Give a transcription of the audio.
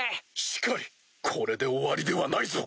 しかりこれで終わりではないぞ。